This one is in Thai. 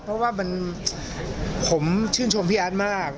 เพราะว่าผมชื่นชมพี่อาร์ดมาก